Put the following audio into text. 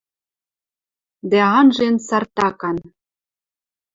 Дӓ анжен цартакан